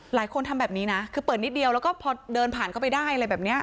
ทำแบบนี้นะคือเปิดนิดเดียวแล้วก็พอเดินผ่านเข้าไปได้อะไรแบบนี้